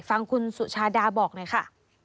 ฟังคุณสุชาดาบอกหน่อยค่ะ